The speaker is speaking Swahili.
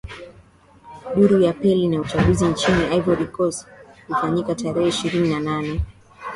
duru ya peli ya uchaguzi nchini ivory coast kufanyika tarehe ishirini na nane